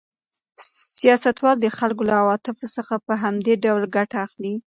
سیاستوال د خلکو له عواطفو څخه په همدې ډول ګټه اخلي.